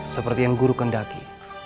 seperti yang guru kendaki